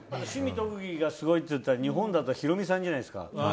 趣味、特技がすごいといったら日本だとヒロミさんじゃないですか。